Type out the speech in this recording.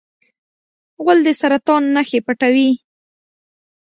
غول د سرطان نښې پټوي.